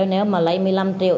nếu mà lấy một mươi năm triệu